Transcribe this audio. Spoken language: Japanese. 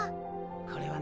これはね